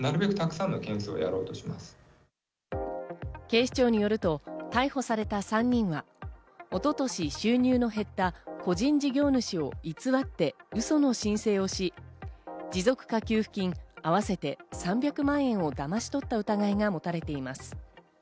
警視庁によると逮捕された３人は一昨年、収入の減った個人事業主を偽ってウソの申請をし、持続化給付金、合わせて３００万円をだまし取った疑いが持たれています。